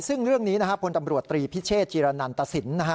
ซึ่งเรื่องนี้พลตำรวจตรีพิเชษจิรณันตสิน